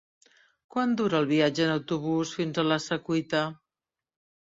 Quant dura el viatge en autobús fins a la Secuita?